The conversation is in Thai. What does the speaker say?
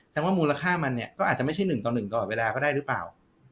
แสดงว่ามูลค่ามันเนี่ยก็อาจจะไม่ใช่หนึ่งต่อหนึ่งตลอดเวลาก็ได้หรือเปล่า